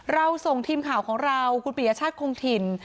เราส่งทีมข่าวของเราคุณปียชาติคงถิ่น